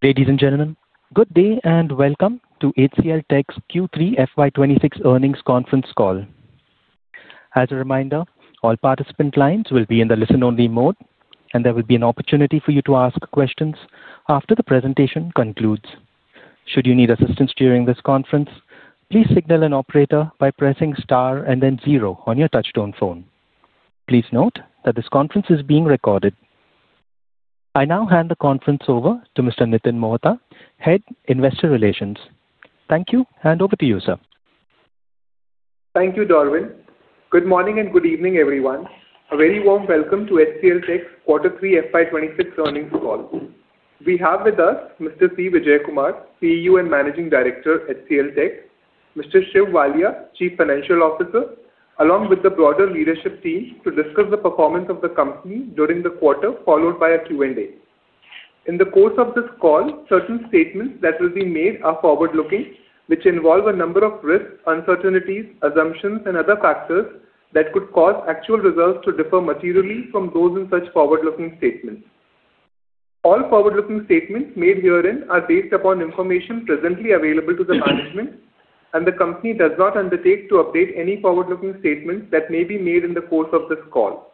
Ladies and gentlemen, good day and welcome to HCLTech's Q3 FY 2026 earnings conference call. As a reminder, all participant lines will be in the listen-only mode, and there will be an opportunity for you to ask questions after the presentation concludes. Should you need assistance during this conference, please signal an operator by pressing star and then zero on your touch-tone phone. Please note that this conference is being recorded. I now hand the conference over to Mr. Nitin Mohta, Head Investor Relations. Thank you, and over to you, sir. Thank you, Darwin. Good morning and good evening, everyone. A very warm welcome to HCLTech's quarter three FY 2026 earnings call. We have with us Mr. C. Vijayakumar, CEO and Managing Director, HCLTech, Mr. Shiv Walia, Chief Financial Officer, along with the broader leadership team to discuss the performance of the company during the quarter, followed by a Q&A. In the course of this call, certain statements that will be made are forward-looking, which involve a number of risks, uncertainties, assumptions, and other factors that could cause actual results to differ materially from those in such forward-looking statements. All forward-looking statements made herein are based upon information presently available to the management, and the company does not undertake to update any forward-looking statements that may be made in the course of this call.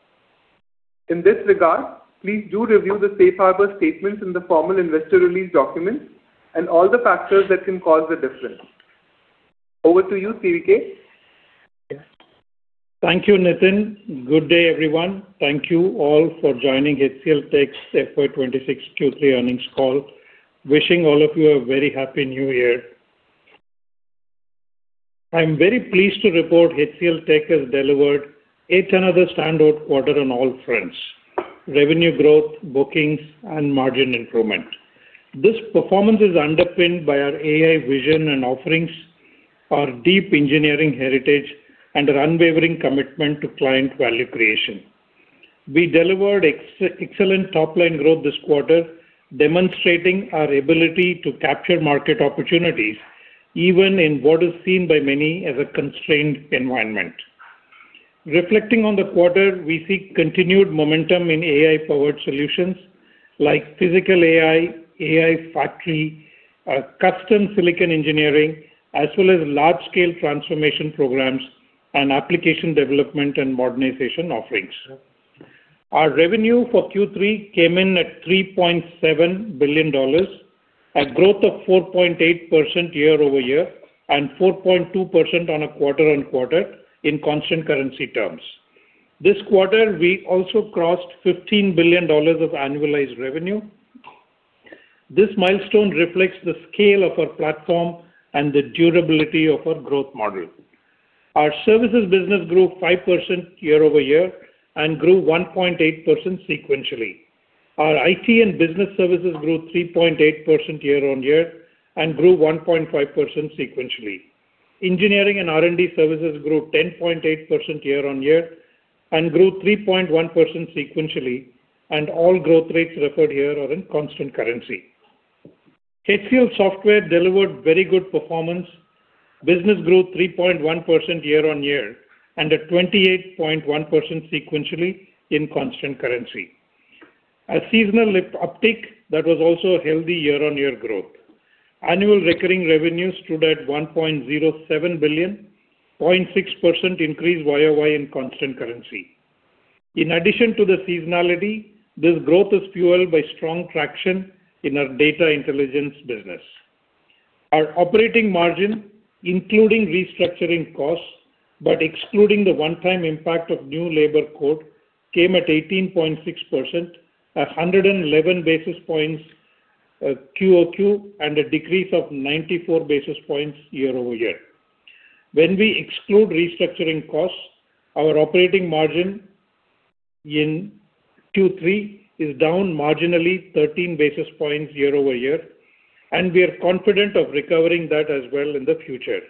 In this regard, please do review the safe harbor statements in the formal investor release documents and all the factors that can cause the difference. Over to you, CVK. Thank you, Nitin. Good day, everyone. Thank you all for joining HCLTech's FY 2026 Q3 earnings call. Wishing all of you a very happy New Year. I'm very pleased to report HCLTech has delivered yet another standout quarter on all fronts: revenue growth, bookings, and margin improvement. This performance is underpinned by our AI vision and offerings, our deep engineering heritage, and our unwavering commitment to client value creation. We delivered excellent top-line growth this quarter, demonstrating our ability to capture market opportunities even in what is seen by many as a constrained environment. Reflecting on the quarter, we see continued momentum in AI-powered solutions like Physical AI, AI Factory, custom silicon engineering, as well as large-scale transformation programs and application development and modernization offerings. Our revenue for Q3 came in at $3.7 billion, a growth of 4.8% year-over-year and 4.2% on a quarter-on-quarter in constant currency terms. This quarter, we also crossed $15 billion of annualized revenue. This milestone reflects the scale of our platform and the durability of our growth model. Our services business grew 5% year-over-year and grew 1.8% sequentially. Our IT and Business Services grew 3.8% year-on-year and grew 1.5% sequentially. Engineering and R&D Services grew 10.8% year-on-year and grew 3.1% sequentially, and all growth rates referred here are in constant currency. HCL Software delivered very good performance. Business grew 3.1% year-on-year and at 28.1% sequentially in constant currency. A seasonal uptick that was also a healthy year-on-year growth. Annual recurring revenues stood at $1.07 billion, a 0.6% increase YoY in constant currency. In addition to the seasonality, this growth is fueled by strong traction in our data intelligence business. Our operating margin, including restructuring costs but excluding the one-time impact of new labor code, came at 18.6%, 111 basis points QoQ, and a decrease of 94 basis points year-over-year. When we exclude restructuring costs, our operating margin in Q3 is down marginally 13 basis points year-over-year, and we are confident of recovering that as well in the future.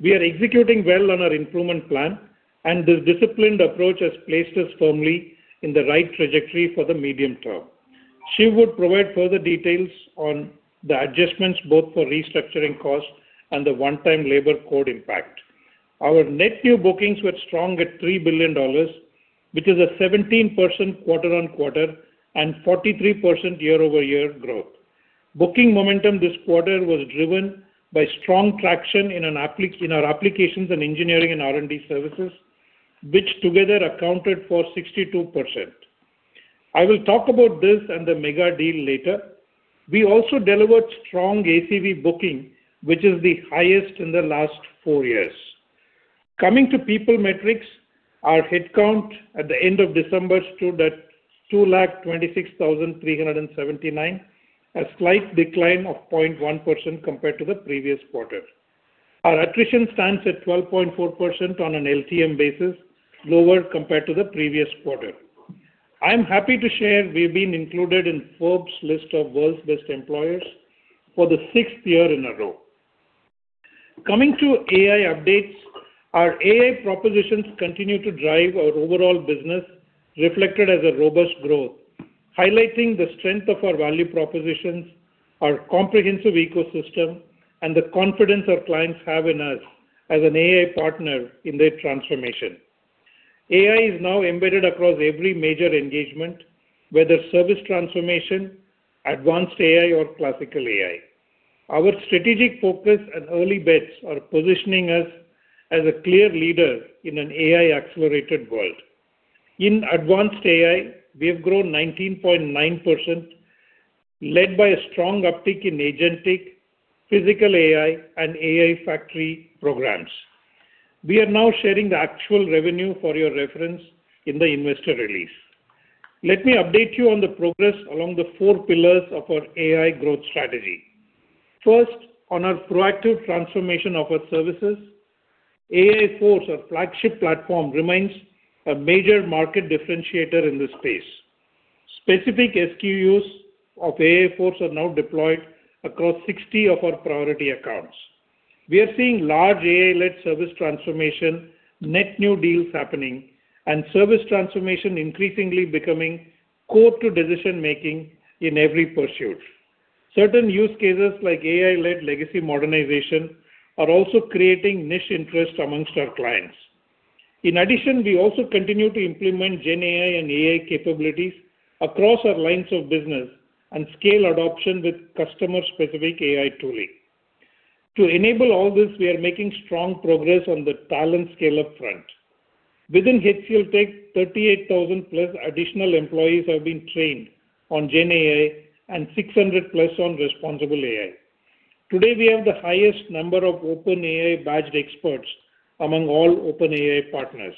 We are executing well on our improvement plan, and this disciplined approach has placed us firmly in the right trajectory for the medium term. Shiv would provide further details on the adjustments both for restructuring costs and the one-time labor code impact. Our net new bookings were strong at $3 billion, which is a 17% quarter-on-quarter and 43% year-over-year growth. Booking momentum this quarter was driven by strong traction in our applications and engineering and R&D services, which together accounted for 62%. I will talk about this and the mega deal later. We also delivered strong ACV booking, which is the highest in the last four years. Coming to people metrics, our headcount at the end of December stood at 226,379, a slight decline of 0.1% compared to the previous quarter. Our attrition stands at 12.4% on an LTM basis, lower compared to the previous quarter. I'm happy to share we've been included in Forbes' list of the world's best employers for the sixth year in a row. Coming to AI updates, our AI propositions continue to drive our overall business, reflected as a robust growth, highlighting the strength of our value propositions, our comprehensive ecosystem, and the confidence our clients have in us as an AI partner in their transformation. AI is now embedded across every major engagement, whether service transformation, advanced AI, or classical AI. Our strategic focus and early bets are positioning us as a clear leader in an AI-accelerated world. In advanced AI, we have grown 19.9%, led by a strong uptick in agentic, Physical AI, and AI factory programs. We are now sharing the actual revenue for your reference in the investor release. Let me update you on the progress along the four pillars of our AI growth strategy. First, on our proactive transformation of our services, AI Force, our flagship platform, remains a major market differentiator in this space. Specific SKUs of AI Force are now deployed across 60 of our priority accounts. We are seeing large AI-led service transformation, net new deals happening, and service transformation increasingly becoming core to decision-making in every pursuit. Certain use cases like AI-led legacy modernization are also creating niche interest among our clients. In addition, we also continue to implement GenAI and AI capabilities across our lines of business and scale adoption with customer-specific AI tooling. To enable all this, we are making strong progress on the talent scale-up front. Within HCLTech, 38,000+ additional employees have been trained on GenAI and 600+ on responsible AI. Today, we have the highest number of OpenAI-badged experts among all OpenAI partners.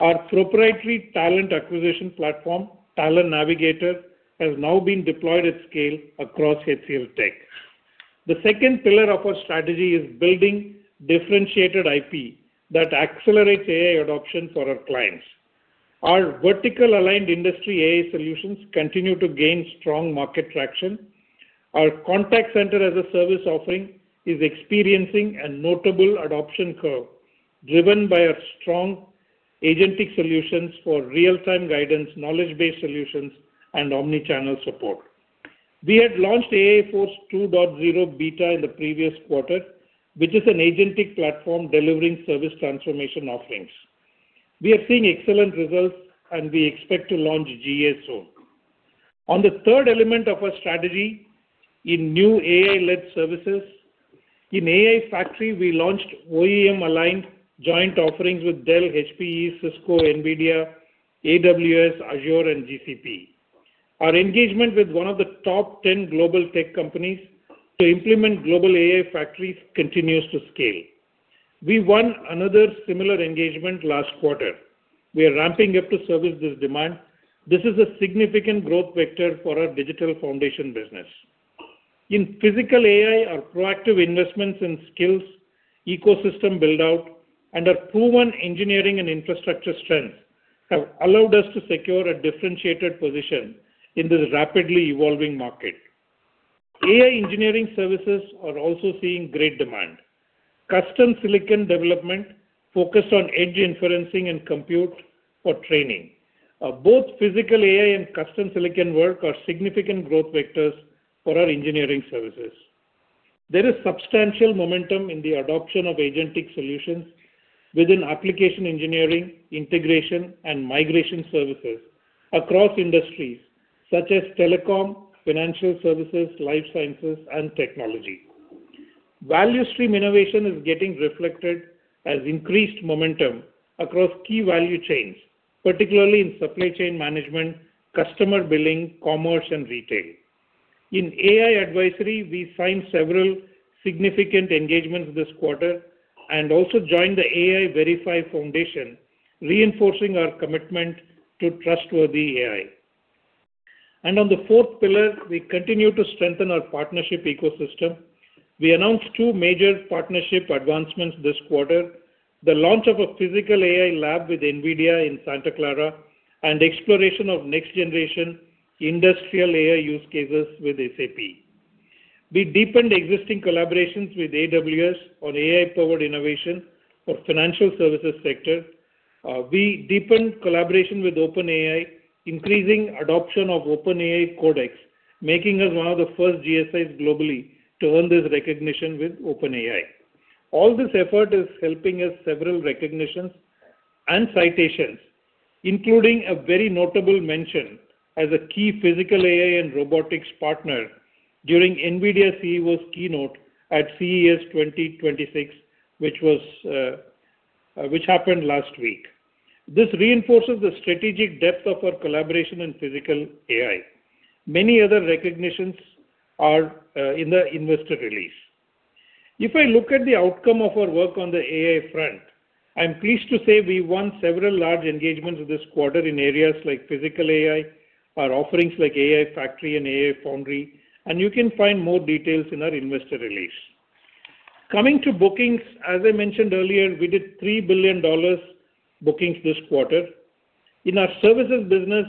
Our proprietary talent acquisition platform, Talent Navigator, has now been deployed at scale across HCLTech. The second pillar of our strategy is building differentiated IP that accelerates AI adoption for our clients. Our vertical-aligned industry AI solutions continue to gain strong market traction. Our contact center as a service offering is experiencing a notable adoption curve driven by our strong agentic solutions for real-time guidance, knowledge-based solutions, and omnichannel support. We had launched AI Force 2.0 beta in the previous quarter, which is an agentic platform delivering service transformation offerings. We are seeing excellent results, and we expect to launch GA soon. On the third element of our strategy in new AI-led services, in AI Factory, we launched OEM-aligned joint offerings with Dell, HPE, Cisco, NVIDIA, AWS, Azure, and GCP. Our engagement with one of the top 10 global tech companies to implement global AI factories continues to scale. We won another similar engagement last quarter. We are ramping up to service this demand. This is a significant growth vector for our digital foundation business. In Physical AI, our proactive investments in skills ecosystem build-out and our proven engineering and infrastructure strengths have allowed us to secure a differentiated position in this rapidly evolving market. AI engineering services are also seeing great demand. Custom silicon development focused on Edge Inferencing and compute for training. Both Physical AI and custom silicon work are significant growth vectors for our engineering services. There is substantial momentum in the adoption of agentic solutions within application engineering, integration, and migration services across industries such as telecom, financial services, life sciences, and technology. Value stream innovation is getting reflected as increased momentum across key value chains, particularly in supply chain management, customer billing, commerce, and retail. In AI advisory, we signed several significant engagements this quarter and also joined the AI Verify Foundation, reinforcing our commitment to trustworthy AI. And on the fourth pillar, we continue to strengthen our partnership ecosystem. We announced two major partnership advancements this quarter: the launch of a Physical AI lab with NVIDIA in Santa Clara and exploration of next-generation industrial AI use cases with SAP. We deepened existing collaborations with AWS on AI-powered innovation for the financial services sector. We deepened collaboration with OpenAI, increasing adoption of OpenAI Codex, making us one of the first GSIs globally to earn this recognition with OpenAI. All this effort is helping us several recognitions and citations, including a very notable mention as a key Physical AI and robotics partner during NVIDIA CEO's keynote at CES 2026, which happened last week. This reinforces the strategic depth of our collaboration in Physical AI. Many other recognitions are in the investor release. If I look at the outcome of our work on the AI front, I'm pleased to say we won several large engagements this quarter in areas like Physical AI, our offerings like AI Factory and AI Foundry, and you can find more details in our investor release. Coming to bookings, as I mentioned earlier, we did $3 billion bookings this quarter. In our services business,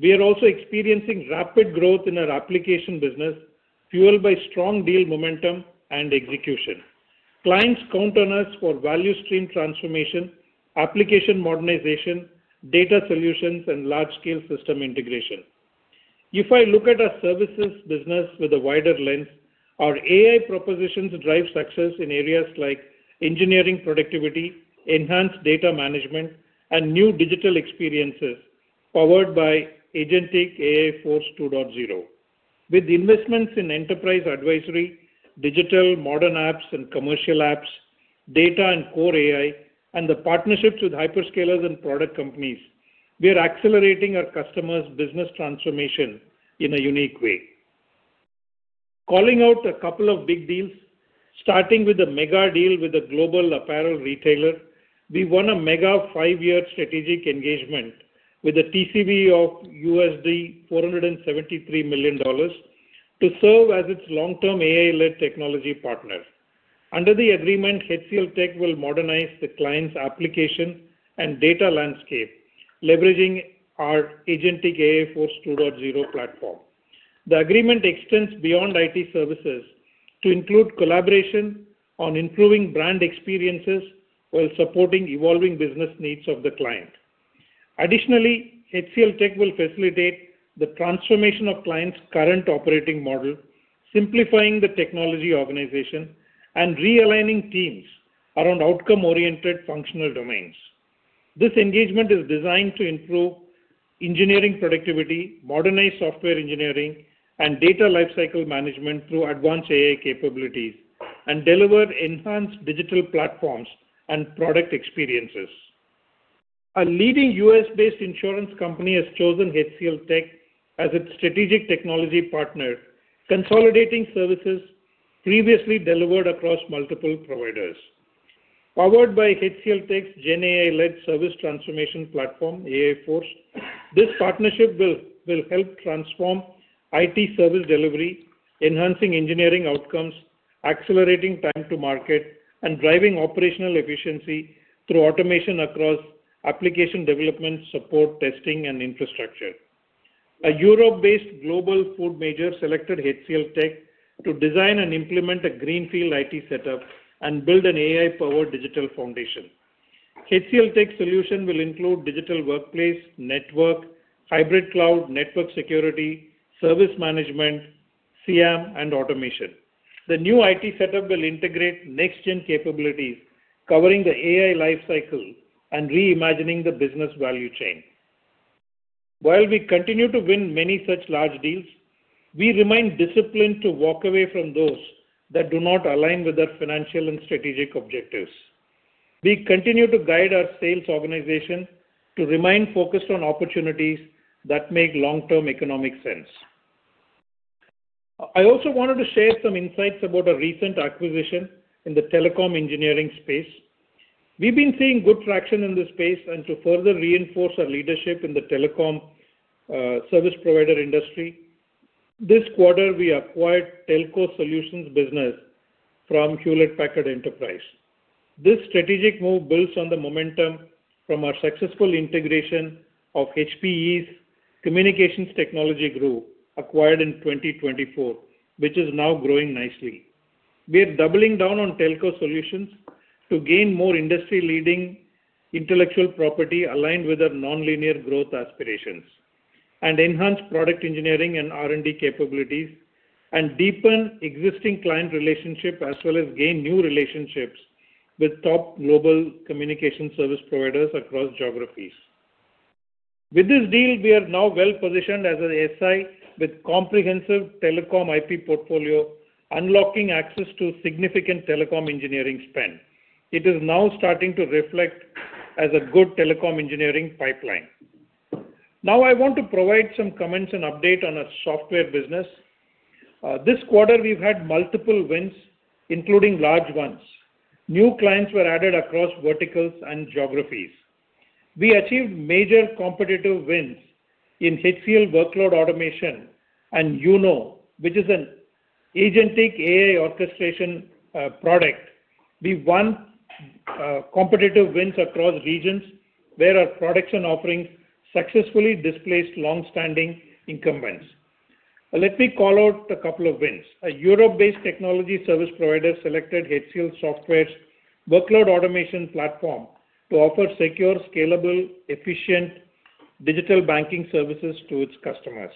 we are also experiencing rapid growth in our application business, fueled by strong deal momentum and execution. Clients count on us for value stream transformation, application modernization, data solutions, and large-scale system integration. If I look at our services business with a wider lens, our AI propositions drive success in areas like engineering productivity, enhanced data management, and new digital experiences powered by agentic AI Force 2.0. With investments in enterprise advisory, digital modern apps and commercial apps, data and core AI, and the partnerships with hyperscalers and product companies, we are accelerating our customers' business transformation in a unique way. Calling out a couple of big deals, starting with a mega deal with a global apparel retailer, we won a mega five-year strategic engagement with a TCV of $473 million to serve as its long-term AI-led technology partner. Under the agreement, HCLTech will modernize the client's application and data landscape, leveraging our agentic AI Force 2.0 platform. The agreement extends beyond IT services to include collaboration on improving brand experiences while supporting evolving business needs of the client. Additionally, HCLTech will facilitate the transformation of clients' current operating model, simplifying the technology organization and realigning teams around outcome-oriented functional domains. This engagement is designed to improve engineering productivity, modernize software engineering, and data lifecycle management through advanced AI capabilities, and deliver enhanced digital platforms and product experiences. A leading U.S.-based insurance company has chosen HCLTech as its strategic technology partner, consolidating services previously delivered across multiple providers. Powered by HCLTech's GenAI-led service transformation platform, AI Force, this partnership will help transform IT service delivery, enhancing engineering outcomes, accelerating time to market, and driving operational efficiency through automation across application development, support, testing, and infrastructure. A Europe-based global food major selected HCLTech to design and implement a greenfield IT setup and build an AI-powered digital foundation. HCLTech's solution will include digital workplace, network, hybrid cloud, network security, service management, CAM, and automation. The new IT setup will integrate next-gen capabilities, covering the AI lifecycle and reimagining the business value chain. While we continue to win many such large deals, we remain disciplined to walk away from those that do not align with our financial and strategic objectives. We continue to guide our sales organization to remain focused on opportunities that make long-term economic sense. I also wanted to share some insights about a recent acquisition in the telecom engineering space. We've been seeing good traction in this space, and to further reinforce our leadership in the telecom service provider industry, this quarter, we acquired Telco Solutions Business from Hewlett Packard Enterprise. This strategic move builds on the momentum from our successful integration of HPE's Communications Technology Group acquired in 2024, which is now growing nicely. We are doubling down on Telco Solutions to gain more industry-leading intellectual property aligned with our non-linear growth aspirations, and enhance product engineering and R&D capabilities, and deepen existing client relationships as well as gain new relationships with top global communication service providers across geographies. With this deal, we are now well-positioned as an SI with a comprehensive telecom IP portfolio, unlocking access to significant telecom engineering spend. It is now starting to reflect as a good telecom engineering pipeline. Now, I want to provide some comments and updates on our software business. This quarter, we've had multiple wins, including large ones. New clients were added across verticals and geographies. We achieved major competitive wins in HCL Workload Automation and UnO, which is an agentic AI orchestration product. We won competitive wins across regions where our product offerings successfully displaced long-standing incumbents. Let me call out a couple of wins. A Europe-based technology service provider selected HCL Software's workload automation platform to offer secure, scalable, efficient digital banking services to its customers.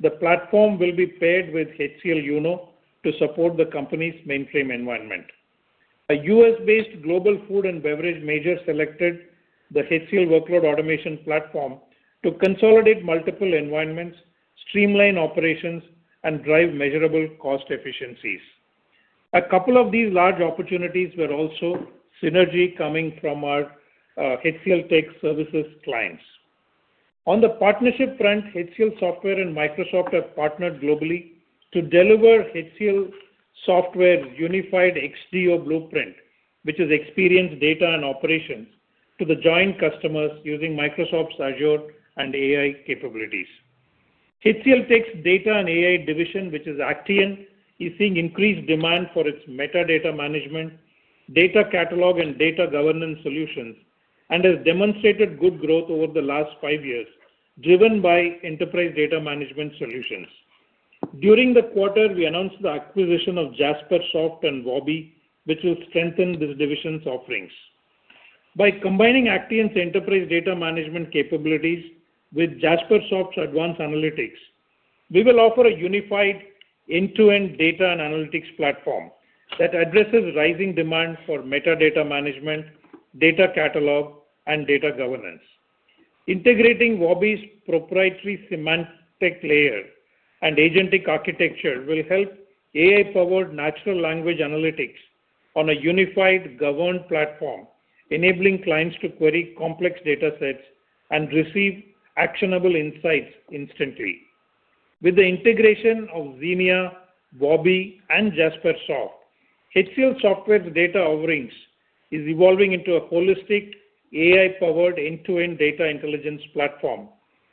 The platform will be paired with HCL UnO to support the company's mainframe environment. A U.S.-based global food and beverage major selected the HCL workload automation platform to consolidate multiple environments, streamline operations, and drive measurable cost efficiencies. A couple of these large opportunities were also synergy coming from our HCLTech services clients. On the partnership front, HCL Software and Microsoft have partnered globally to deliver HCL Software's unified XDO blueprint, which is experienced data and operations, to the joint customers using Microsoft's Azure and AI capabilities. HCLTech's data and AI division, which is Actian, is seeing increased demand for its metadata management, data catalog, and data governance solutions and has demonstrated good growth over the last five years, driven by enterprise data management solutions. During the quarter, we announced the acquisition of Jaspersoft and Wobby, which will strengthen this division's offerings. By combining Actian's enterprise data management capabilities with Jaspersoft's advanced analytics, we will offer a unified end-to-end data and analytics platform that addresses rising demand for metadata management, data catalog, and data governance. Integrating Wobby's proprietary semantic layer and agentic architecture will help AI-powered natural language analytics on a unified, governed platform, enabling clients to query complex data sets and receive actionable insights instantly. With the integration of Zeenea, Wobby, and Jaspersoft, HCL Software's data offerings are evolving into a holistic AI-powered end-to-end data intelligence platform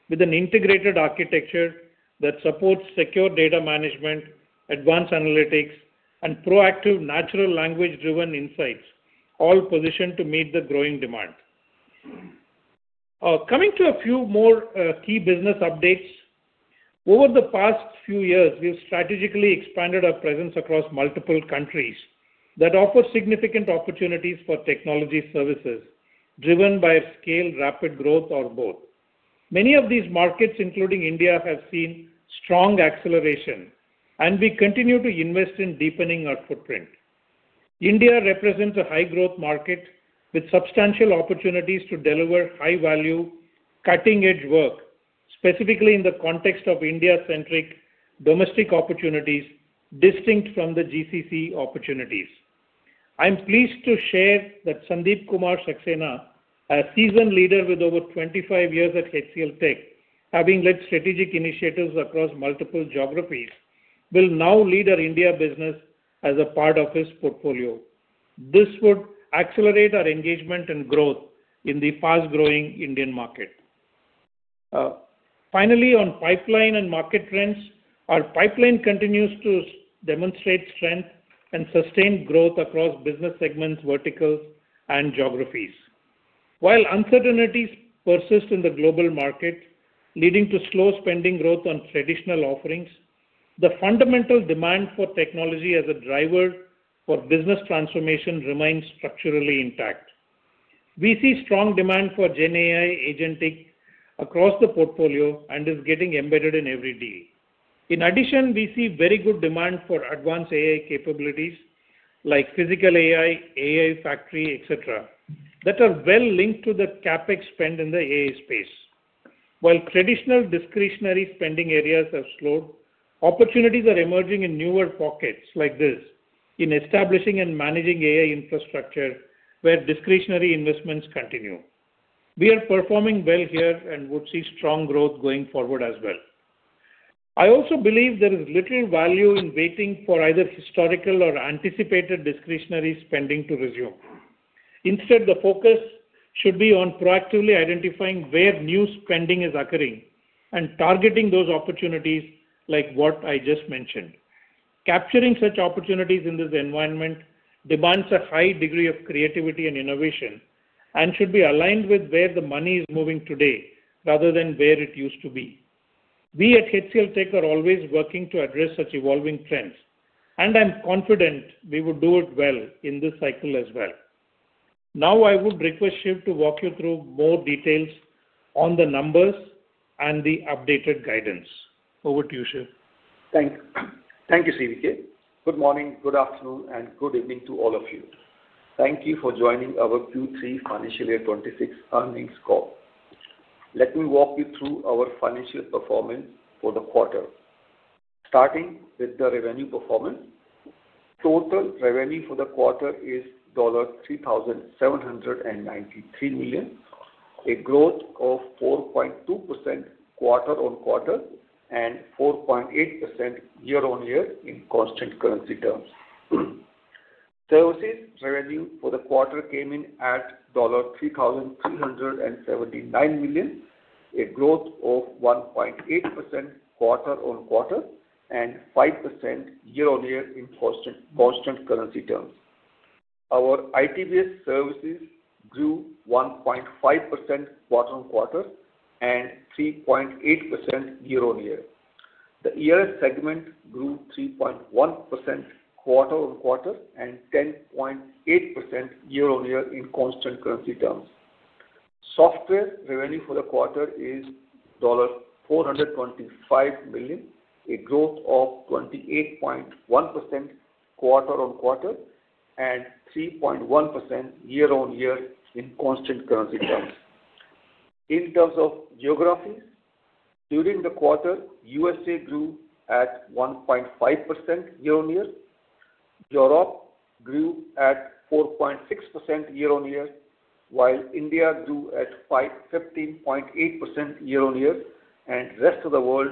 with an integrated architecture that supports secure data management, advanced analytics, and proactive natural language-driven insights, all positioned to meet the growing demand. Coming to a few more key business updates, over the past few years, we've strategically expanded our presence across multiple countries that offer significant opportunities for technology services driven by scale, rapid growth, or both. Many of these markets, including India, have seen strong acceleration, and we continue to invest in deepening our footprint. India represents a high-growth market with substantial opportunities to deliver high-value, cutting-edge work, specifically in the context of India-centric domestic opportunities distinct from the GCC opportunities. I'm pleased to share that Sandeep Kumar Saxena, a seasoned leader with over 25 years at HCLTech, having led strategic initiatives across multiple geographies, will now lead our India business as a part of his portfolio. This would accelerate our engagement and growth in the fast-growing Indian market. Finally, on pipeline and market trends, our pipeline continues to demonstrate strength and sustained growth across business segments, verticals, and geographies. While uncertainties persist in the global market, leading to slow spending growth on traditional offerings, the fundamental demand for technology as a driver for business transformation remains structurally intact. We see strong demand for GenAI agentic across the portfolio and is getting embedded in every deal. In addition, we see very good demand for advanced AI capabilities like Physical AI, AI Factory, etc., that are well linked to the CapEx spend in the AI space. While traditional discretionary spending areas have slowed, opportunities are emerging in newer pockets like this in establishing and managing AI infrastructure where discretionary investments continue. We are performing well here and would see strong growth going forward as well. I also believe there is little value in waiting for either historical or anticipated discretionary spending to resume. Instead, the focus should be on proactively identifying where new spending is occurring and targeting those opportunities like what I just mentioned. Capturing such opportunities in this environment demands a high degree of creativity and innovation and should be aligned with where the money is moving today rather than where it used to be. We at HCLTech are always working to address such evolving trends, and I'm confident we would do it well in this cycle as well. Now, I would request Shiv to walk you through more details on the numbers and the updated guidance. Over to you, Shiv. Thank you. Thank you, CVK. Good morning, good afternoon, and good evening to all of you. Thank you for joining our Q3 financial year 2026 earnings call. Let me walk you through our financial performance for the quarter, starting with the revenue performance. Total revenue for the quarter is $3,793 million, a growth of 4.2% quarter-on-quarter and 4.8% year-on-year in constant currency terms. Services revenue for the quarter came in at $3,379 million, a growth of 1.8% quarter-on-quarter and 5% year-on-year in constant currency terms. Our IT-based services grew 1.5% quarter-on-quarter and 3.8% year-on-year. The ER&D segment grew 3.1% quarter-on-quarter and 10.8% year-on-year in constant currency terms. Software revenue for the quarter is $425 million, a growth of 28.1% quarter-on-quarter and 3.1% year-on-year in constant currency terms. In terms of geographies, during the quarter, USA grew at 1.5% year-on-year. Europe grew at 4.6% year-on-year, while India grew at 15.8% year-on-year, and the Rest of the World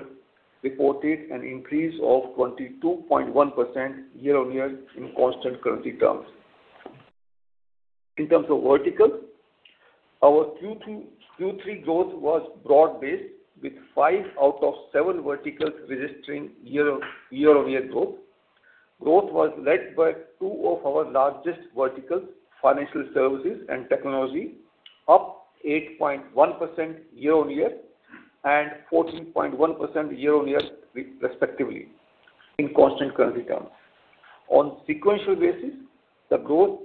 reported an increase of 22.1% year-on-year in constant currency terms. In terms of verticals, our Q3 growth was broad-based, with five out of seven verticals registering year-on-year growth. Growth was led by two of our largest verticals, financial services and technology, up 8.1% year-on-year and 14.1% year-on-year, respectively, in constant currency terms. On a sequential basis, the growth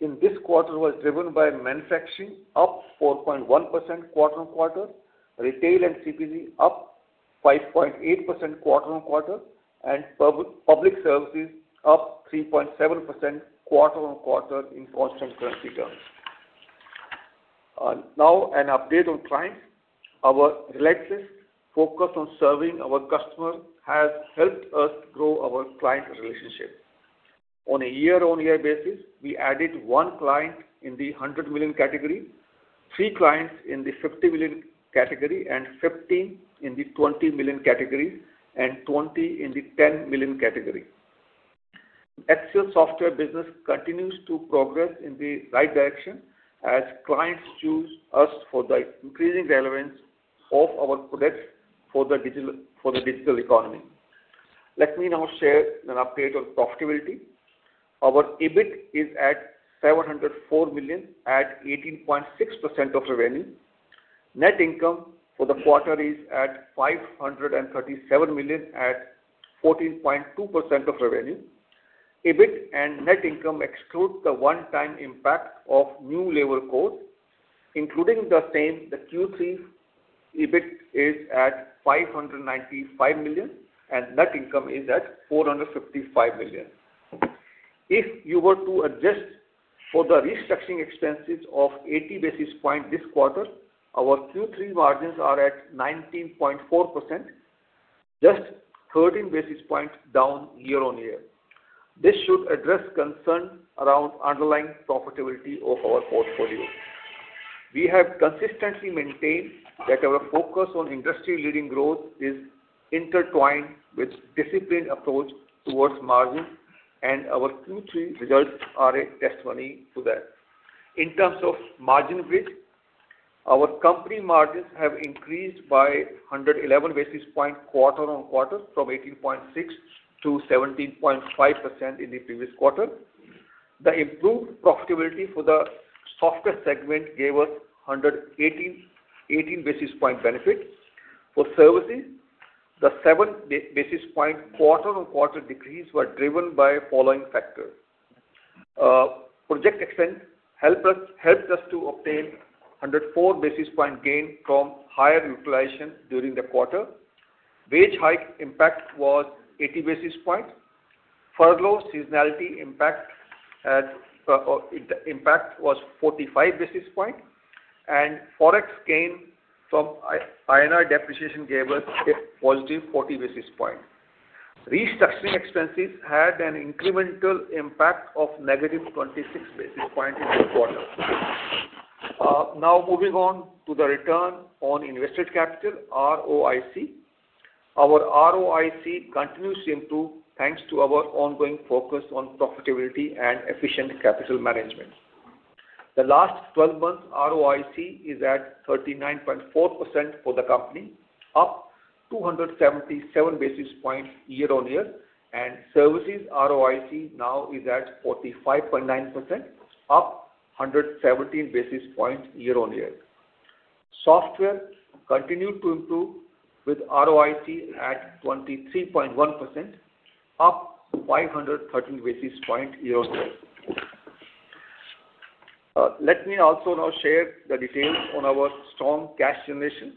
in this quarter was driven by manufacturing, up 4.1% quarter-on-quarter, retail and CPG, up 5.8% quarter-on-quarter, and public services, up 3.7% quarter-on-quarter in constant currency terms. Now, an update on clients. Our relentless focus on serving our customers has helped us grow our client relationship. On a year-on-year basis, we added one client in the 100 million category, three clients in the 50 million category, and 15 in the 20 million category, and 20 in the 10 million category. HCL Software business continues to progress in the right direction as clients choose us for the increasing relevance of our products for the digital economy. Let me now share an update on profitability. Our EBIT is at $704 million at 18.6% of revenue. Net income for the quarter is at $537 million at 14.2% of revenue. EBIT and net income exclude the one-time impact of new labor costs, including the same. The Q3 EBIT is at $595 million, and net income is at $455 million. If you were to adjust for the restructuring expenses of 80 basis points this quarter, our Q3 margins are at 19.4%, just 13 basis points down year-on-year. This should address concerns around underlying profitability of our portfolio. We have consistently maintained that our focus on industry-leading growth is intertwined with a disciplined approach towards margins, and our Q3 results are a testimony to that. In terms of margin breach, our company margins have increased by 111 basis points quarter-on-quarter from 18.6% to 17.5% in the previous quarter. The improved profitability for the software segment gave us 118 basis point benefits. For services, the 7 basis point quarter-on-quarter decrease was driven by the following factors. Project execution helped us to obtain 104 basis point gain from higher utilization during the quarter. Wage hike impact was 80 basis point. Furloughs seasonality impact was 45 basis point, and forex gain from INR depreciation gave us a +40 basis point. Restructuring expenses had an incremental impact of -26 basis points in the quarter. Now, moving on to the return on invested capital, ROIC. Our ROIC continues to improve thanks to our ongoing focus on profitability and efficient capital management. The last 12 months, ROIC is at 39.4% for the company, up 277 basis points year-on-year, and services ROIC now is at 45.9%, up 117 basis points year-on-year. Software continued to improve with ROIC at 23.1%, up 513 basis points year-on-year. Let me also now share the details on our strong cash generation.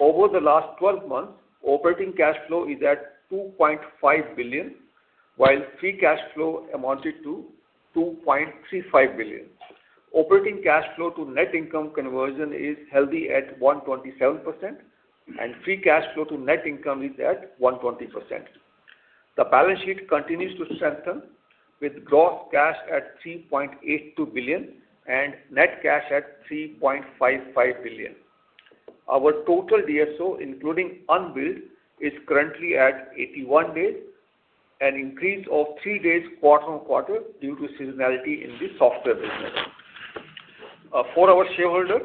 Over the last 12 months, operating cash flow is at $2.5 billion, while free cash flow amounted to $2.35 billion. Operating cash flow to net income conversion is healthy at 127%, and free cash flow to net income is at 120%. The balance sheet continues to strengthen with gross cash at $3.82 billion and net cash at $3.55 billion. Our total DSO, including unbilled, is currently at 81 days, an increase of three days quarter-on-quarter due to seasonality in the software business. For our shareholders,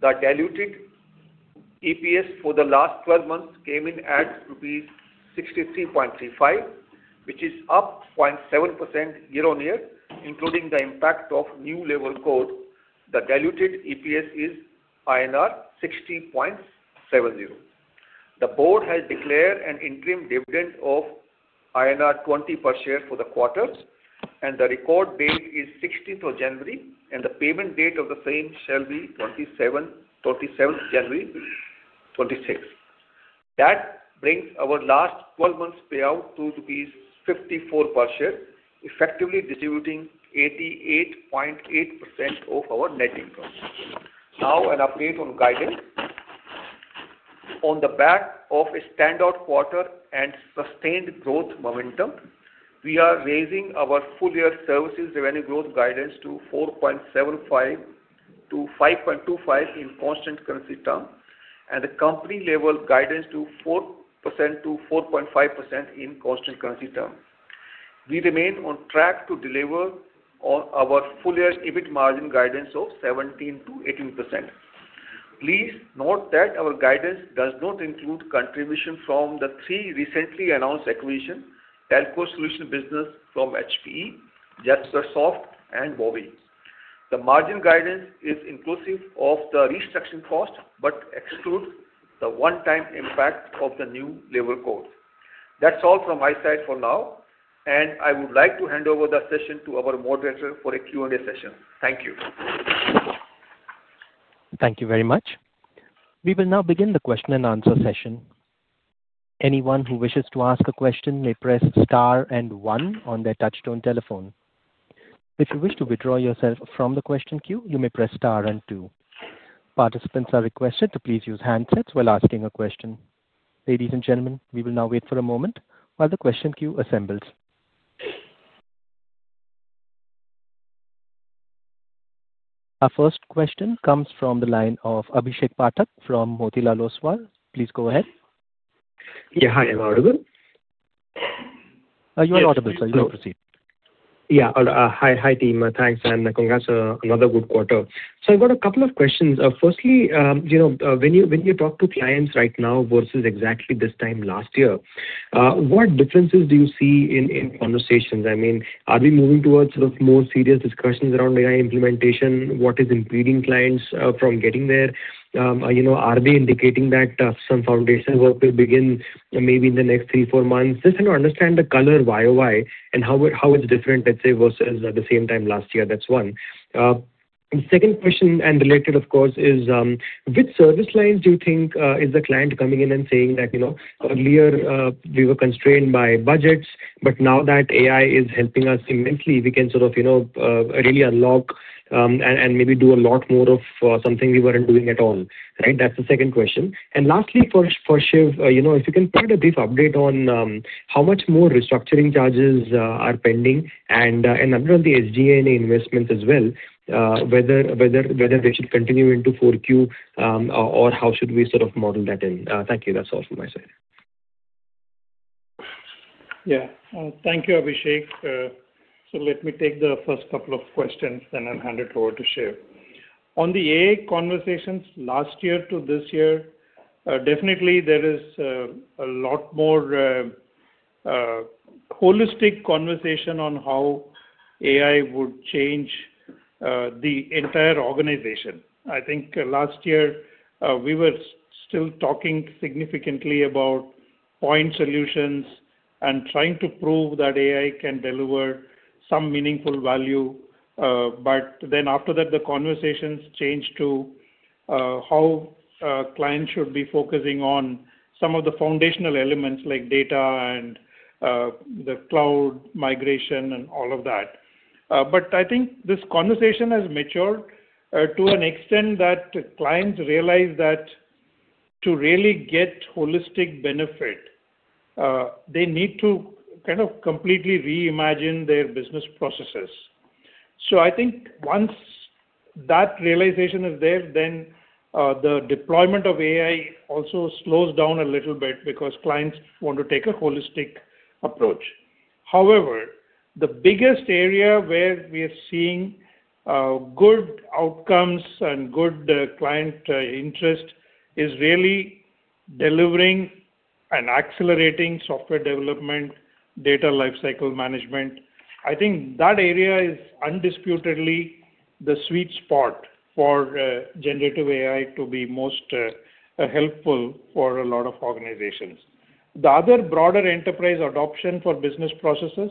the diluted EPS for the last 12 months came in at rupees 63.35, which is up 0.7% year-on-year, including the impact of new labor costs. The diluted EPS is 60.70. The board has declared an interim dividend of 20 per share for the quarter, and the record date is 16th of January, and the payment date of the same shall be 27th January 2026. That brings our last 12 months' payout to rupees 54 per share, effectively distributing 88.8% of our net income. Now, an update on guidance. On the back of a standout quarter and sustained growth momentum, we are raising our full-year services revenue growth guidance to 4.75%-5.25% in constant currency terms and the company-level guidance to 4%-4.5% in constant currency terms. We remain on track to deliver our full-year EBIT margin guidance of 17%-18%. Please note that our guidance does not include contributions from the three recently announced acquisitions: Telco Solutions Business from HPE, Jaspersoft, and Wobby. The margin guidance is inclusive of the restructuring cost but excludes the one-time impact of the new labor costs. That's all from my side for now, and I would like to hand over the session to our moderator for a Q&A session. Thank you. Thank you very much. We will now begin the question-and-answer session. Anyone who wishes to ask a question may press star and one on their touch-tone telephone. If you wish to withdraw yourself from the question queue, you may press star and two. Participants are requested to please use handsets while asking a question. Ladies and gentlemen, we will now wait for a moment while the question queue assembles. Our first question comes from the line of Abhishek Pathak from Motilal Oswal. Please go ahead. Yeah, hi. Am I audible? You are audible, so you can proceed. Yeah. Hi, team. Thanks, and congrats on another good quarter. I've got a couple of questions. Firstly, when you talk to clients right now versus exactly this time last year, what differences do you see in conversations? I mean, are we moving towards more serious discussions around AI implementation? What is impeding clients from getting there? Are they indicating that some foundation work will begin maybe in the next three, four months? Just to understand the color, YoY and how it's different, let's say, versus the same time last year. That's one. Second question and related, of course, is which service lines do you think is the client coming in and saying that earlier we were constrained by budgets, but now that AI is helping us immensely, we can sort of really unlock and maybe do a lot more of something we weren't doing at all? Right? That's the second question. And lastly, for Shiv, if you can provide a brief update on how much more restructuring charges are pending and under the SG&A investments as well, whether they should continue into 4Q or how should we sort of model that in? Thank you. That's all from my side. Yeah. Thank you, Abhishek. So let me take the first couple of questions and then hand it over to Shiv. On the AI conversations last year to this year, definitely there is a lot more holistic conversation on how AI would change the entire organization. I think last year we were still talking significantly about point solutions and trying to prove that AI can deliver some meaningful value. But then after that, the conversations changed to how clients should be focusing on some of the foundational elements like data and the cloud migration and all of that. But I think this conversation has matured to an extent that clients realize that to really get holistic benefit, they need to kind of completely reimagine their business processes. So I think once that realization is there, then the deployment of AI also slows down a little bit because clients want to take a holistic approach. However, the biggest area where we are seeing good outcomes and good client interest is really delivering and accelerating software development, data lifecycle management. I think that area is undisputedly the sweet spot for generative AI to be most helpful for a lot of organizations. The other broader enterprise adoption for business processes,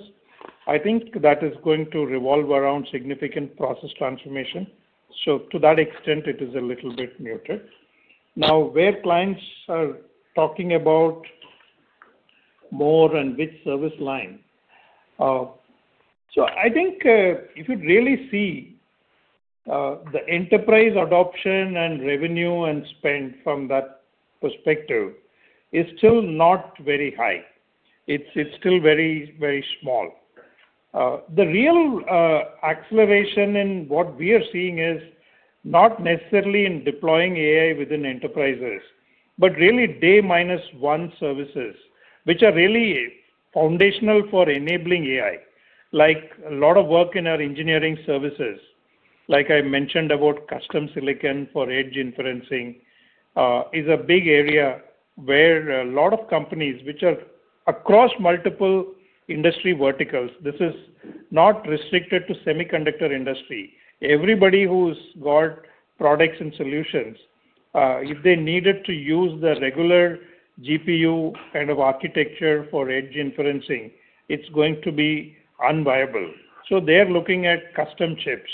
I think that is going to revolve around significant process transformation. So to that extent, it is a little bit muted. Now, where clients are talking about more and which service line. So I think if you really see the enterprise adoption and revenue and spend from that perspective, it's still not very high. It's still very, very small. The real acceleration in what we are seeing is not necessarily in deploying AI within enterprises, but really Day Minus One services, which are really foundational for enabling AI. Like a lot of work in our engineering services, like I mentioned about Custom Silicon for Edge Inferencing, is a big area where a lot of companies which are across multiple industry verticals. This is not restricted to semiconductor industry. Everybody who's got products and solutions, if they needed to use the regular GPU kind of architecture for Edge Inferencing, it's going to be unviable. So they are looking at custom chips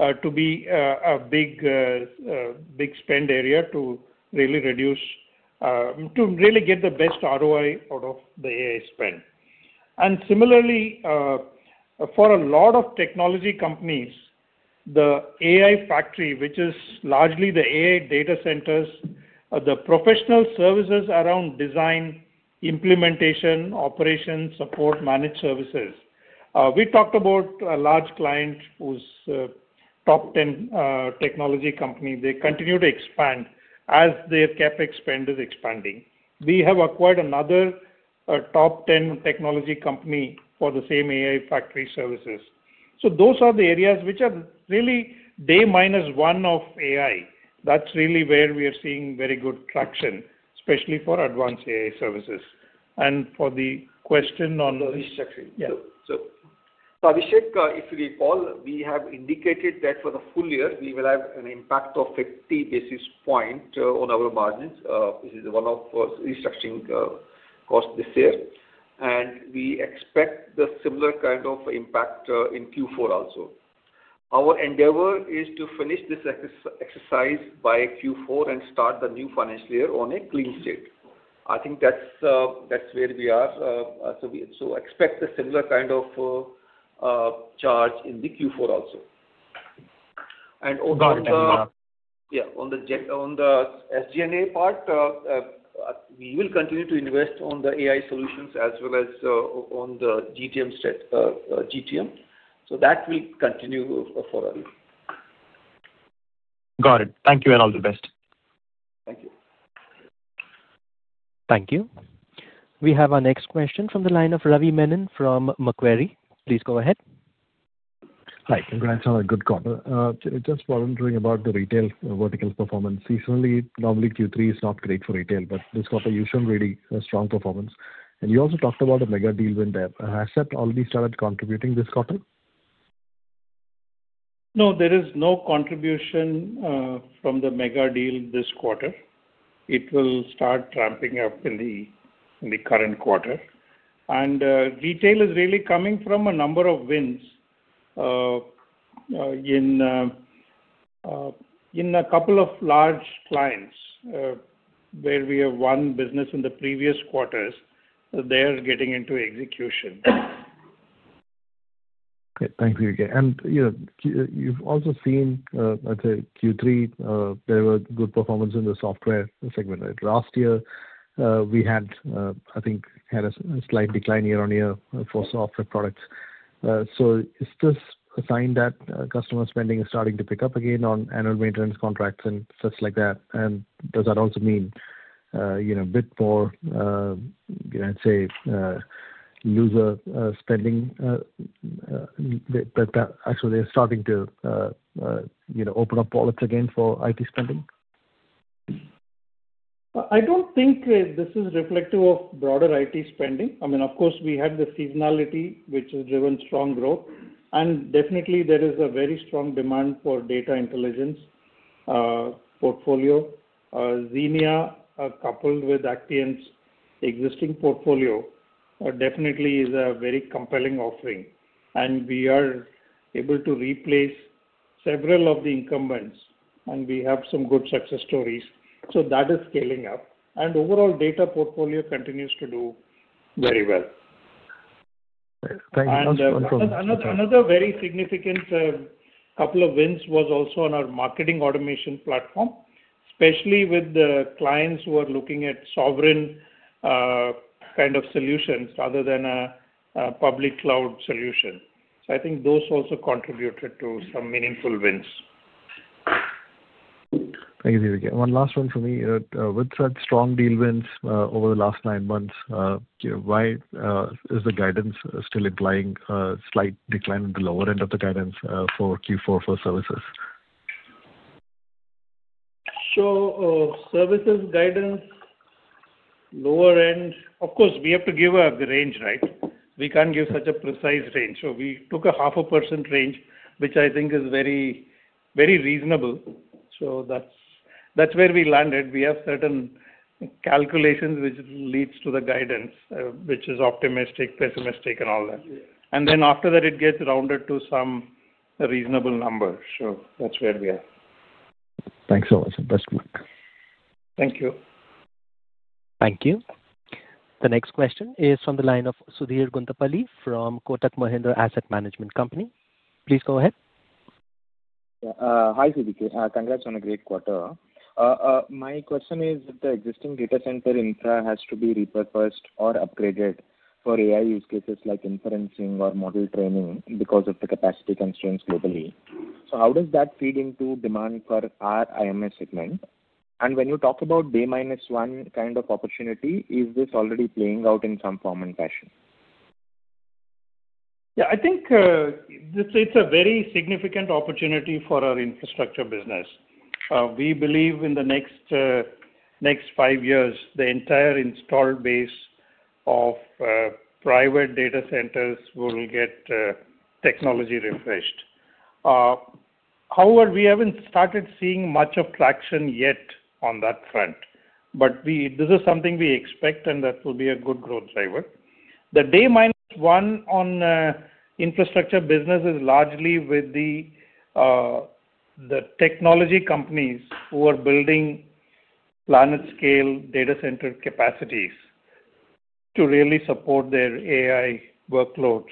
to be a big spend area to really reduce, to really get the best ROI out of the AI spend. Similarly, for a lot of technology companies, the AI Factory, which is largely the AI data centers, the professional services around design, implementation, operation, support, managed services. We talked about a large client who's a top 10 technology company. They continue to expand as their CapEx is expanding. We have acquired another top 10 technology company for the same AI Factory services. So those are the areas which are really Day Minus One of AI. That's really where we are seeing very good traction, especially for advanced AI services. For the question on the restructuring. Yeah. Abhishek, if you recall, we have indicated that for the full year, we will have an impact of 50 basis points on our margins. This is one of the restructuring costs this year. We expect the similar kind of impact in Q4 also. Our endeavor is to finish this exercise by Q4 and start the new financial year on a clean slate. I think that's where we are. So expect the similar kind of charge in the Q4 also. Yeah, on the SG&A part, we will continue to invest on the AI solutions as well as on the GTM. So that will continue for us. Got it. Thank you and all the best. Thank you. Thank you. We have our next question from the line of Ravi Menon from Macquarie. Please go ahead. Hi. Congrats on a good quarter. Just wondering about the retail vertical performance. Recently, normally Q3 is not great for retail, but this quarter, you showed really strong performance. And you also talked about a mega deal with them. Has that already started contributing this quarter? No, there is no contribution from the mega deal this quarter. It will start ramping up in the current quarter. And retail is really coming from a number of wins in a couple of large clients where we have won business in the previous quarters. They are getting into execution. Okay. Thank you again. And you've also seen, I'd say, Q3, there was good performance in the software segment. Last year, we had, I think, had a slight decline year-on-year for software products. So is this a sign that customer spending is starting to pick up again on annual maintenance contracts and such like that? And does that also mean a bit more, I'd say, looser spending? Actually, they're starting to open up wallets again for IT spending? I don't think this is reflective of broader IT spending. I mean, of course, we had the seasonality, which has driven strong growth. And definitely, there is a very strong demand for data intelligence portfolio. Zeenea, coupled with Actian's existing portfolio, definitely is a very compelling offering. And we are able to replace several of the incumbents, and we have some good success stories. So that is scaling up. And overall, data portfolio continues to do very well. Thank you. Another very significant couple of wins was also on our marketing automation platform, especially with the clients who are looking at sovereign kind of solutions rather than a public cloud solution. So I think those also contributed to some meaningful wins. Thank you again. One last one for me. With such strong deal wins over the last nine months, why is the guidance still implying a slight decline in the lower end of the guidance for Q4 for services? So services guidance, lower end. Of course, we have to give a range, right? We can't give such a precise range. So we took a 0.5% range, which I think is very reasonable. So that's where we landed. We have certain calculations which leads to the guidance, which is optimistic, pessimistic, and all that. And then after that, it gets rounded to some reasonable number. So that's where we are. Thanks so much. Best of luck. Thank you. Thank you. The next question is from the line of Sudheer Guntupalli from Kotak Mahindra Asset Management Company. Please go ahead. Hi, CVK. Congrats on a great quarter. My question is, the existing data center infra has to be repurposed or upgraded for AI use cases like inferencing or model training because of the capacity constraints globally. So how does that feed into demand for our IMS segment? When you talk about Day Minus One kind of opportunity, is this already playing out in some form and fashion? Yeah. I think it's a very significant opportunity for our infrastructure business. We believe in the next five years, the entire installed base of private data centers will get technology refreshed. However, we haven't started seeing much of traction yet on that front. This is something we expect, and that will be a good growth driver. The Day Minus One on infrastructure business is largely with the technology companies who are building planet-scale data center capacities to really support their AI workloads.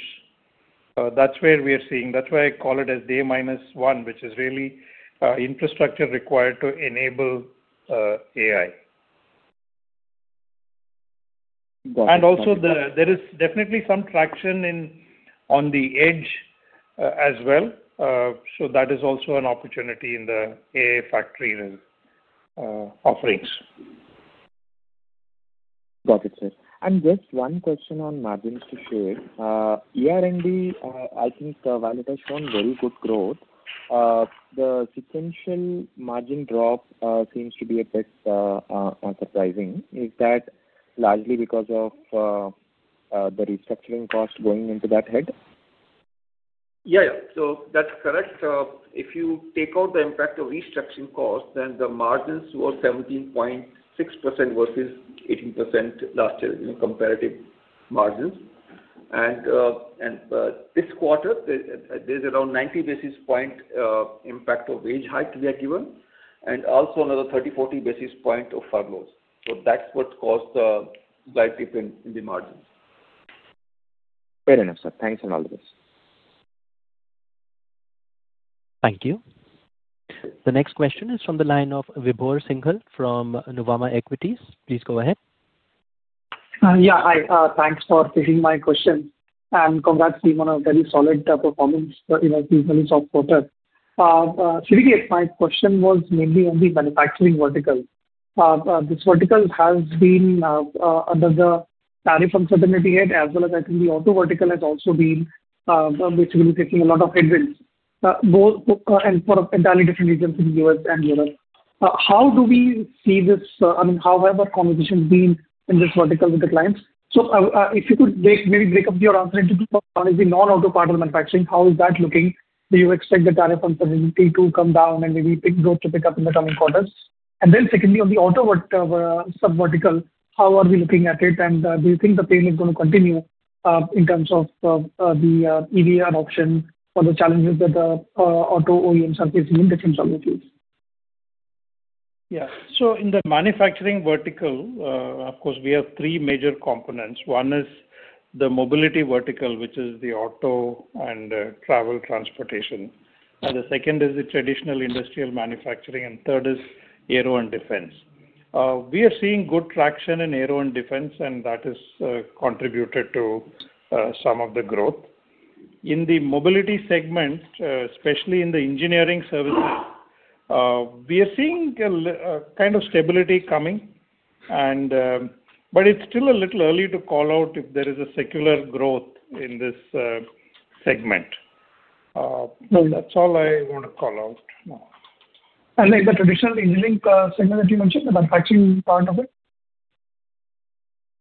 That's where we are seeing. That's why I call it as Day Minus One, which is really infrastructure required to enable AI. Also, there is definitely some traction on the edge as well. That is also an opportunity in the AI Factory offerings. Got it, sir. And just one question on margins to share. ER&D, I think Valet has shown very good growth. The sequential margin drop seems to be a bit surprising. Is that largely because of the restructuring cost going into that head? Yeah. Yeah. So that's correct. If you take out the impact of restructuring cost, then the margins were 17.6% versus 18% last year in comparative margins. And this quarter, there's around 90 basis point impact of wage hike we are given, and also another 30-40 basis point of furloughs. So that's what caused the slight dip in the margins. Fair enough, sir. Thanks a lot, Abhishek. Thank you. The next question is from the line of Vibhor Singhal from Nuvama Equities. Please go ahead. Yeah. Hi. Thanks for taking my question. And congrats, Deep, on a very solid performance in the Q3 soft quarter. CVK, my question was mainly on the manufacturing vertical. This vertical has been under the tariff uncertainty here, as well as I think the auto vertical has also been basically taking a lot of headwinds for entirely different reasons in the U.S. and Europe. How do we see this? I mean, how have our conversations been in this vertical with the clients? So if you could maybe break up your answer into two parts. Obviously, non-autopart manufacturing, how is that looking? Do you expect the tariff uncertainty to come down and maybe growth to pick up in the coming quarters? And then secondly, on the auto subvertical, how are we looking at it? And do you think the pain is going to continue in terms of the EV adoption or the challenges that the auto OEMs are facing in different subverticals? Yeah. In the manufacturing vertical, of course, we have three major components. One is the mobility vertical, which is the auto and travel transportation. And the second is the traditional industrial manufacturing. And third is aero and defense. We are seeing good traction in aero and defense, and that has contributed to some of the growth. In the mobility segment, especially in the engineering services, we are seeing a kind of stability coming. But it's still a little early to call out if there is a secular growth in this segment. That's all I want to call out. And then the traditional engineering segment that you mentioned, the manufacturing part of it?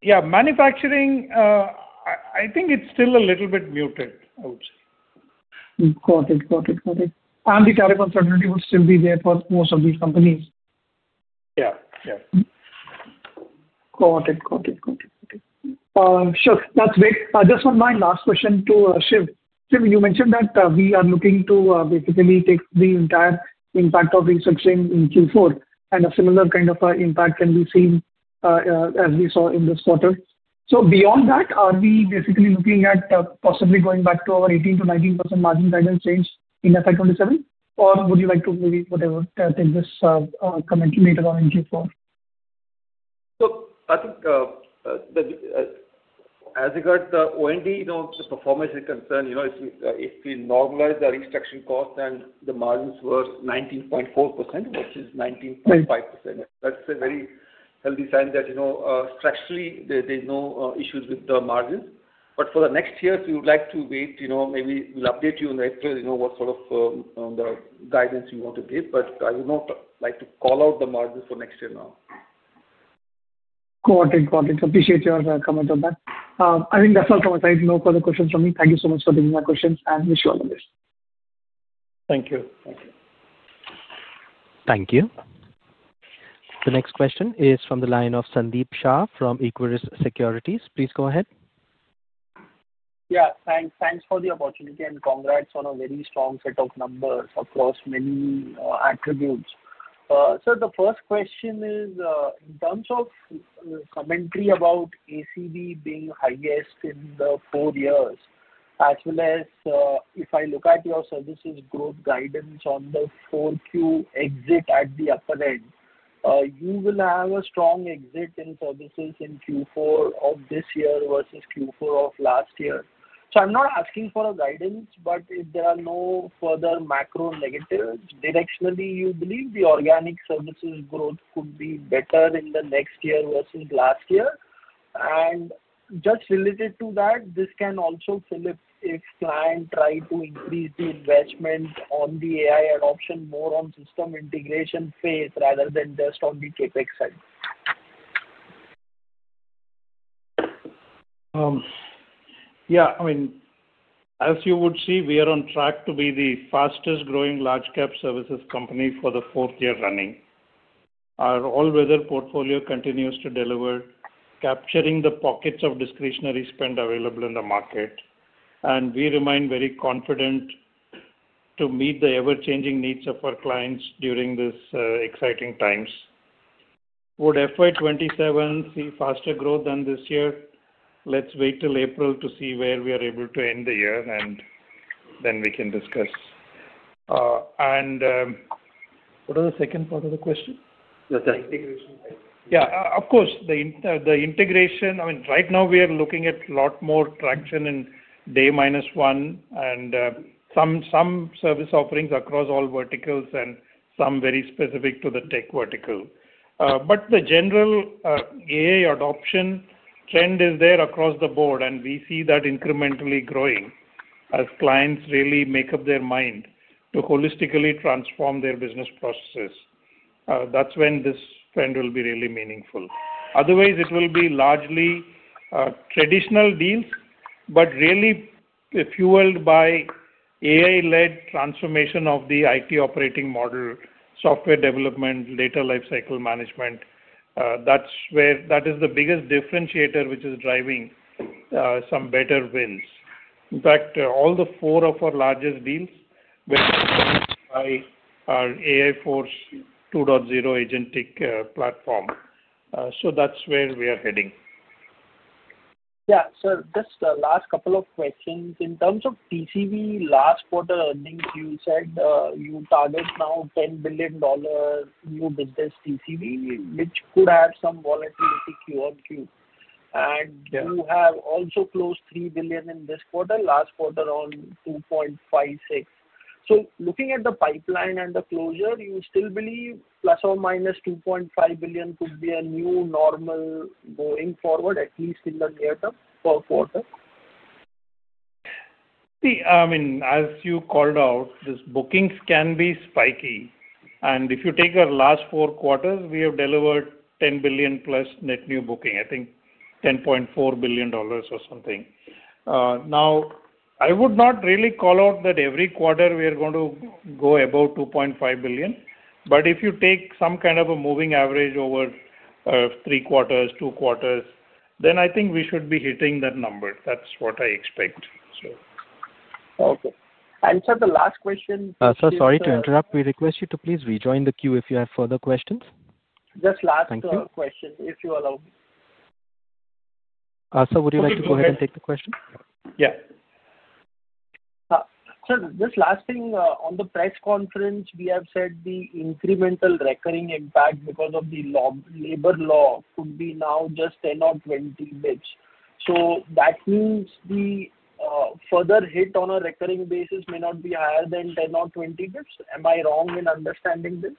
Yeah. Manufacturing, I think it's still a little bit muted, I would say. Got it. Got it. Got it. And the tariff uncertainty would still be there for most of these companies? Yeah. Yeah. Got it. Got it. Got it. Sure. That's great. Just one last question to Shiv. Shiv, you mentioned that we are looking to basically take the entire impact of restructuring in Q4, and a similar kind of impact can be seen as we saw in this quarter. So beyond that, are we basically looking at possibly going back to our 18%-19% margin guidance range in FY 2027? Or would you like to maybe whatever take this comment later on in Q4? So I think as regards the ER&D, the performance is concerned. If we normalize the restructuring cost and the margins were 19.4% versus 19.5%, that's a very healthy sign that structurally, there's no issues with the margins. But for the next years, we would like to wait. Maybe we'll update you on the what sort of guidance you want to give. But I would not like to call out the margins for next year now. Got it. Got it. Appreciate your comment on that. I think that's all from my side. No further questions from me. Thank you so much for taking my questions, and wish you all the best. Thank you. Thank you. The next question is from the line of Sandeep Shah from Equirus Securities. Please go ahead. Yeah. Thanks for the opportunity and congrats on a very strong set of numbers across many attributes. So the first question is, in terms of commentary about ACV being highest in the four years, as well as if I look at your services growth guidance on the 4Q exit at the upper end, you will have a strong exit in services in Q4 of this year versus Q4 of last year. I'm not asking for a guidance, but if there are no further macro negatives, directionally, you believe the organic services growth could be better in the next year versus last year? And just related to that, this can also flip if clients try to increase the investment on the AI adoption more on system integration phase rather than just on the CapEx side. Yeah. I mean, as you would see, we are on track to be the fastest-growing large-cap services company for the fourth year running. Our all-weather portfolio continues to deliver, capturing the pockets of discretionary spend available in the market. And we remain very confident to meet the ever-changing needs of our clients during these exciting times. Would FY 2027 see faster growth than this year? Let's wait till April to see where we are able to end the year, and then we can discuss. What was the second part of the question? The integration. Yeah. Of course, the integration. I mean, right now, we are looking at a lot more traction in day minus one and some service offerings across all verticals and some very specific to the tech vertical. But the general AI adoption trend is there across the board, and we see that incrementally growing as clients really make up their mind to holistically transform their business processes. That's when this trend will be really meaningful. Otherwise, it will be largely traditional deals, but really fueled by AI-led transformation of the IT operating model, software development, data lifecycle management. That is the biggest differentiator which is driving some better wins. In fact, all the four of our largest deals were driven by our AI Force 2.0 agentic platform. That's where we are heading. Yeah. So just the last couple of questions. In terms of TCV, last quarter earnings, you said you target now $10 billion new business TCV, which could add some volatility Q1Q. And you have also closed $3 billion in this quarter, last quarter $2.56 billion. So looking at the pipeline and the closure, you still believe ±$2.5 billion could be a new normal going forward, at least in the near term per quarter? See, I mean, as you called out, these bookings can be spiky. And if you take our last four quarters, we have delivered $10 billion+ net new booking, I think $10.4 billion or something. Now, I would not really call out that every quarter we are going to go above $2.5 billion. But if you take some kind of a moving average over three quarters, two quarters, then I think we should be hitting that number. That's what I expect, so. Okay. And so the last question. Sir, sorry to interrupt. We request you to please rejoin the queue if you have further questions. Just last question. Thank you. If you allow me. Sir, would you like to go ahead and take the question? Yeah. Sir, just last thing. On the press conference, we have said the incremental recurring impact because of the labor law could be now just 10 bps or 20 bps. So that means the further hit on a recurring basis may not be higher than 10 bps or 20 bps. Am I wrong in understanding this?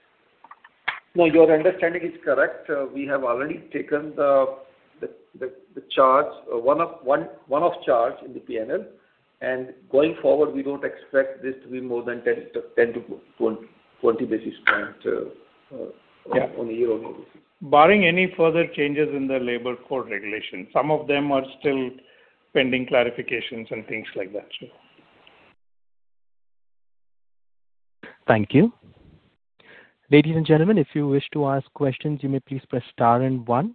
No, your understanding is correct. We have already taken the charge, one-off charge in the P&L. Going forward, we don't expect this to be more than 10 basis points-20 basis points on a year-on-year basis. Barring any further changes in the labor code regulation. Some of them are still pending clarifications and things like that, sir. Thank you. Ladies and gentlemen, if you wish to ask questions, you may please press star and one.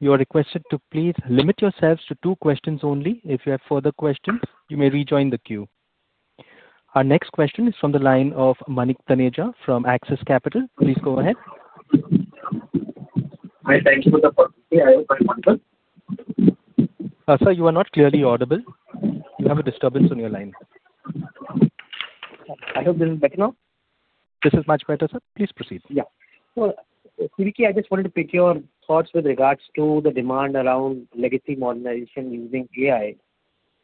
You are requested to please limit yourselves to two questions only. If you have further questions, you may rejoin the queue. Our next question is from the line of Manik Taneja from Axis Capital. Please go ahead. Hi. Thank you for the opportunity. I hope I'm on time. Sir, you are not clearly audible. You have a disturbance on your line. I hope this is better now. This is much better, sir. Please proceed. Yeah. CVK, I just wanted to pick your thoughts with regards to the demand around legacy modernization using AI.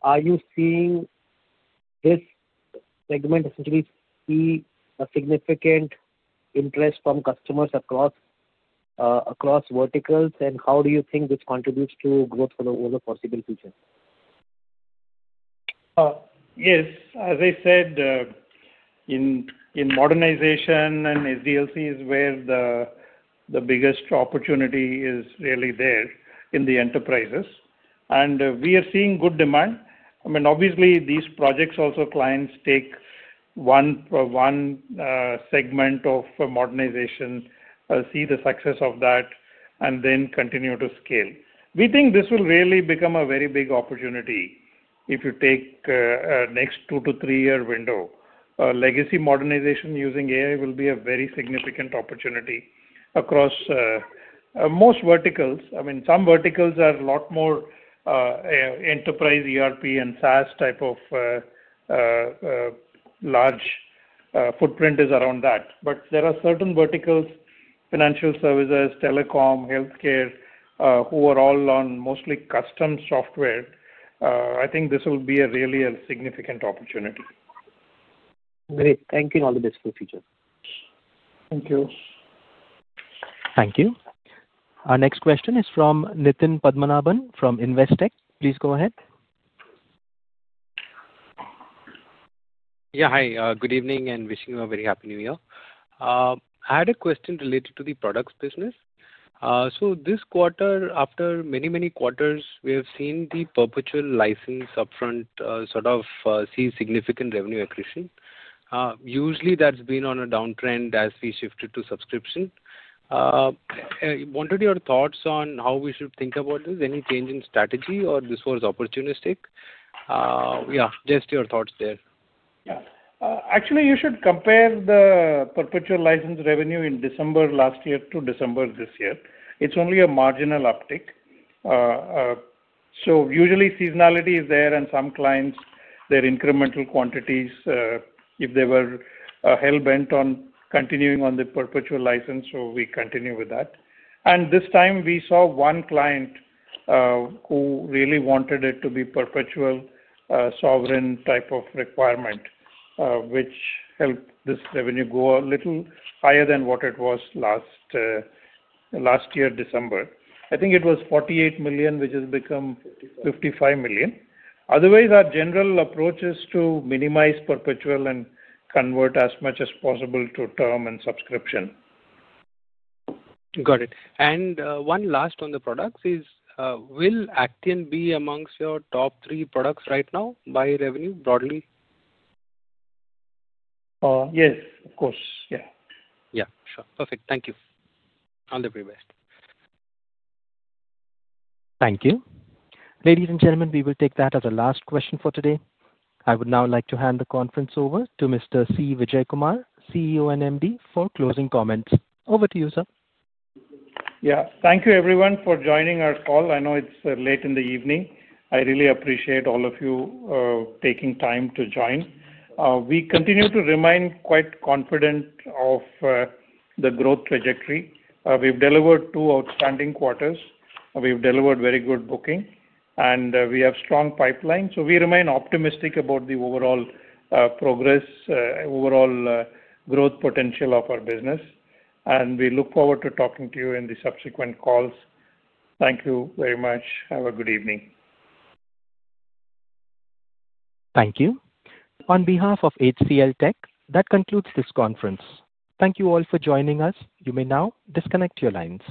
Are you seeing this segment essentially see a significant interest from customers across verticals? And how do you think this contributes to growth for the overall foreseeable future? Yes. As I said, in modernization and SDLC is where the biggest opportunity is really there in the enterprises. And we are seeing good demand. I mean, obviously, these projects also clients take one segment of modernization, see the success of that, and then continue to scale. We think this will really become a very big opportunity if you take a next two-to-three-year window. Legacy modernization using AI will be a very significant opportunity across most verticals. I mean, some verticals are a lot more enterprise ERP and SaaS type of large footprint is around that. But there are certain verticals, financial services, telecom, healthcare, who are all on mostly custom software. I think this will be really a significant opportunity. Great. Thank you. All the best for the future. Thank you. Thank you. Our next question is from Nitin Padmanabhan from Investec. Please go ahead. Yeah. Hi. Good evening and wishing you a very happy New Year. I had a question related to the products business. So this quarter, after many, many quarters, we have seen the perpetual license upfront sort of see significant revenue accretion. Usually, that's been on a downtrend as we shifted to subscription. I wanted your thoughts on how we should think about this. Any change in strategy, or this was opportunistic? Yeah. Just your thoughts there. Yeah. Actually, you should compare the perpetual license revenue in December last year to December this year. It's only a marginal uptick. So usually, seasonality is there, and some clients, their incremental quantities, if they were hell-bent on continuing on the perpetual license, so we continue with that. And this time, we saw one client who really wanted it to be perpetual sovereign type of requirement, which helped this revenue go a little higher than what it was last year, December. I think it was $48 million, which has become $55 million. Otherwise, our general approach is to minimize perpetual and convert as much as possible to term and subscription. Got it. And one last on the products is, will Actian be amongst your top three products right now by revenue broadly? Yes, of course. Yeah. Yeah. Sure. Perfect. Thank you. All the very best. Thank you. Ladies and gentlemen, we will take that as a last question for today. I would now like to hand the conference over to Mr. C. Vijayakumar, CEO and MD, for closing comments. Over to you, sir. Yeah. Thank you, everyone, for joining our call. I know it's late in the evening. I really appreciate all of you taking time to join. We continue to remain quite confident of the growth trajectory. We've delivered two outstanding quarters. We've delivered very good booking, and we have strong pipelines. So we remain optimistic about the overall progress, overall growth potential of our business. And we look forward to talking to you in the subsequent calls. Thank you very much. Have a good evening. Thank you. On behalf of HCLTech, that concludes this conference. Thank you all for joining us. You may now disconnect your lines.